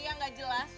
yang gak jelas